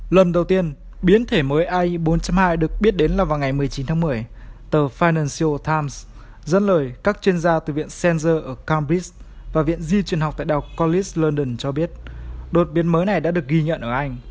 lần đầu tiên biến thể mới ai bốn trăm linh hai được biết đến là vào ngày một mươi chín tháng một mươi tờ financial times dẫn lời các chuyên gia từ viện sensor ở cambridge và viện di truyền học tại đào college london cho biết đột biến mới này đã được ghi nhận ở anh